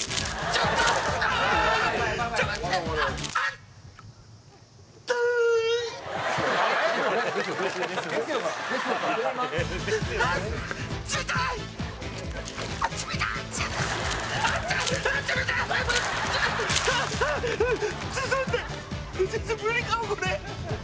ちょっと待って！